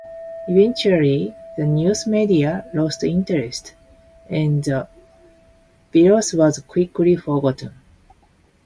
Eventually, the news media lost interest, and the virus was quickly forgotten.